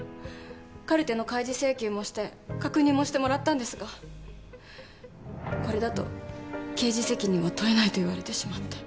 カルテの開示請求もして確認もしてもらったんですがこれだと刑事責任は問えないと言われてしまって。